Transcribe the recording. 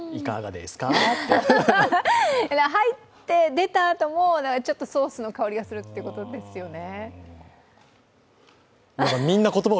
入って出たあとも、ソースの香りがするということですね。